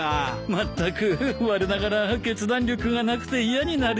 まったくわれながら決断力がなくて嫌になるよ。